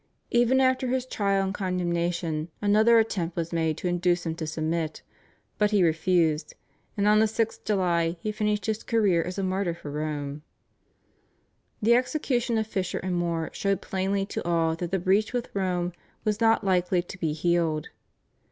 Even after his trial and condemnation another attempt was made to induce him to submit, but he refused, and on the 6th July he finished his career as a martyr for Rome. The execution of Fisher and More showed plainly to all that the breach with Rome was not likely to be healed.